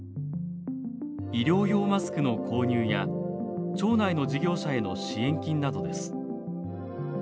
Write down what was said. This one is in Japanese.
医療用マスクの購入や町内の事業者への支援金などです。